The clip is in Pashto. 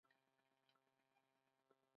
او ستورو ته یې وویل